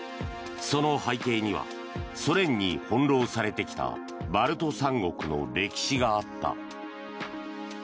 その背景にはソ連に翻ろうされてきたバルト三国の歴史があった。